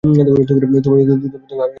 তবে আমি সেটা বিশ্বাস করি না।